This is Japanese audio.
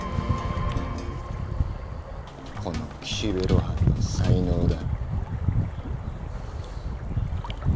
この岸辺露伴の才能だ。